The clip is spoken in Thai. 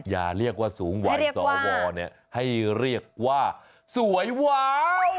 อย่าเรียกว่าสูงวัยสวให้เรียกว่าสวยว้าว